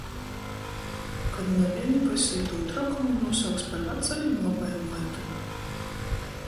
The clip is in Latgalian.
Kod naviņ vysu itū trokumu nūsauks par vacajim lobajim laikim...